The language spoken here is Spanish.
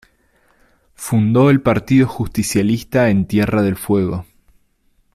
Fundó el Partido Justicialista en Tierra del Fuego.